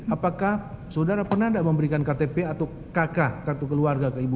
apakah saudara pernah tidak memberikan ktp atau kk kartu keluarga ke ibu